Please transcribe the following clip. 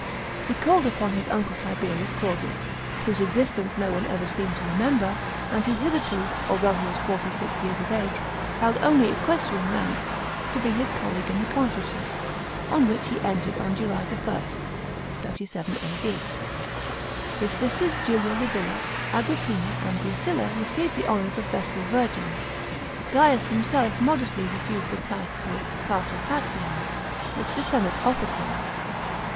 He called upon his uncle Tiberius Claudius, whose existence no one ever seemed to remember, and who hitherto, although he was forty six years of age, held only equestrian rank, to be his colleague in the consulship, on which he entered on July 1st (37 A.D.). His sisters Julia Li villa, Agrippina, and Drusilla received the honours of Vestal virgins. Gaius himself modestly refused the title Pater Patrise, which the senate offered him.